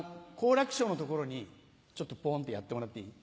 楽師匠の所にちょっとポンってやってもらっていい？